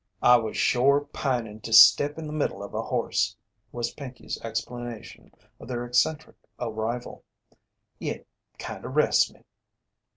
"I was shore pinin' to step in the middle of a horse," was Pinkey's explanation of their eccentric arrival. "It kinda rests me."